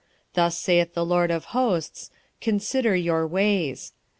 1:7 Thus saith the LORD of hosts; Consider your ways.